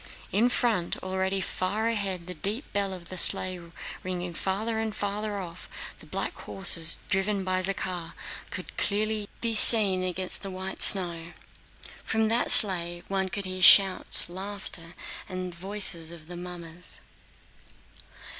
In front, already far ahead the deep bell of the sleigh ringing farther and farther off, the black horses driven by Zakhár could be clearly seen against the white snow. From that sleigh one could hear the shouts, laughter, and voices of the mummers.